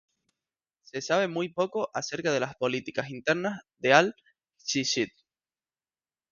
Se sabe muy poco acerca de las políticas internas de al-Ikhshid.